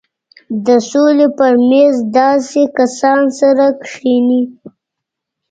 د سولې پر مېز داسې کسان سره کښېني.